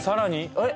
えっ？